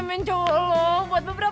kamu kandang kandang kau tak ada keadaan